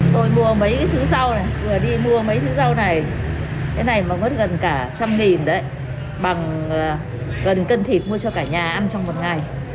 tôi mua mấy cái thứ rau này vừa đi mua mấy thứ rau này cái này mà mất gần cả một trăm linh nghìn đấy bằng gần cân thịt mua cho cả nhà ăn trong một ngày